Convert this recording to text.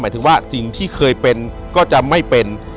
ถึงว่าสิ่งที่เคยเป็นก็จะไม่เป็น